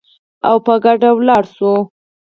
او په ګډه ولاړ شو